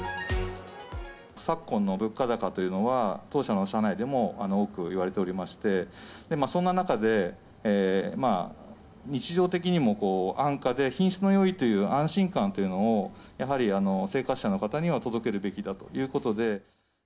昨今の物価高というのは、当社の社内でも多くいわれておりまして、そんな中で、日常的にも安価で品質のよいという安心感というのを、やはり生活者の方に届けるべきだということで。